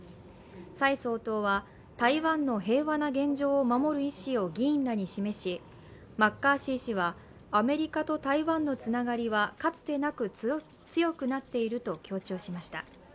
蔡総統は台湾の平和な現状を守る意思を議員らに示し、マッカーシー氏はアメリカと台湾のつながりはかつてなく強くなっていると強調しました。